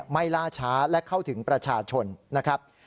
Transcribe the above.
ล่าช้าและเข้าถึงประชาชนนะครับ